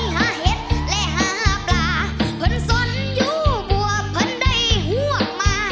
หัวโหมดป่อก็ไปฟะป่าป่าเป็นแน่เลยเวลาหัว